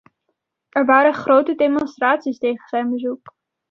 Er waren grote demonstraties tegen zijn bezoek.